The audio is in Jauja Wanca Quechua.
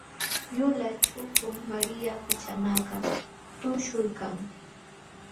Yulaq chukum Maria pichanakaq tuśhuykan.